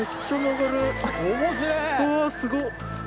うわすごっ！